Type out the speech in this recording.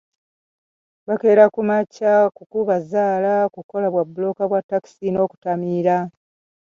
Bakeera ku makya kukuba zzaala, kukola bwa bbulooka bwa takisi n’okutamiira.